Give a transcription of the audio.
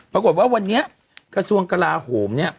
ปรากฏว่าวันนี้กระทรวงกลาโหมเนี่ย